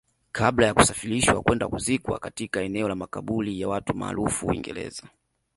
kabla ya kusafirishwa kwenda kuzikwa katika eneo la makaburi ya watu maarufu Uingereza